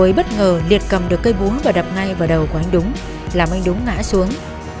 bởi bất ngờ liệt cầm được cây bún và đập ngay vào đầu của anh đúng làm anh đúng ngã xuống